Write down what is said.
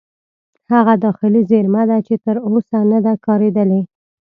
هغه داخلي زیرمه ده چې تر اوسه نه ده کارېدلې.